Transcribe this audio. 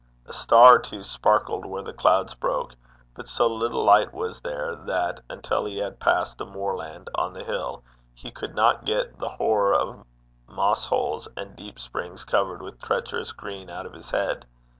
A star or two sparkled where the clouds broke, but so little light was there, that, until he had passed the moorland on the hill, he could not get the horror of moss holes, and deep springs covered with treacherous green, out of his head.